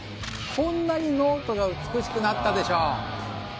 こんなにノートが美しくなったでしょう！